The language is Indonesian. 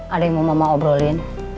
ada yang mau mama obrolin